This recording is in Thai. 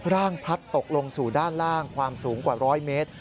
พัดตกลงสู่ด้านล่างความสูงกว่า๑๐๐เมตร